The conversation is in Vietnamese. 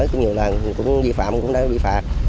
cũng nhiều lần vi phạm cũng đã bị phạt